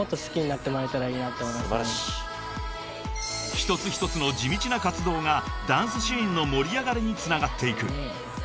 ［一つ一つの地道な活動がダンスシーンの盛り上がりにつながっていく］